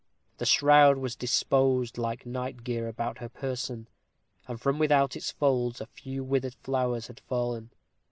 The shroud was disposed like night gear about her person, and from without its folds a few withered flowers had fallen.